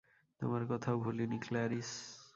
তোমার কথাও ভুলিনি, ক্ল্যারিস।